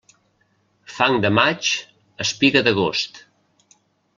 Fang de maig, espiga d'agost.